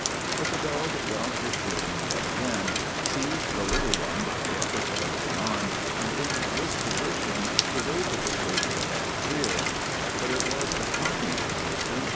But the dog dropped his burden yet again, seized the little one by the upper part of the arm, and in this position was able to hold her head clear. "But it was a trying position.